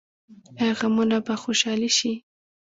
آیا غمونه به خوشحالي شي؟